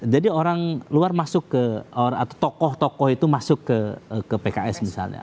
jadi orang luar masuk ke atau tokoh tokoh itu masuk ke pks misalnya